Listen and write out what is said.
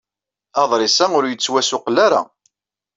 Aḍris-a ur yettwassuqqel ara.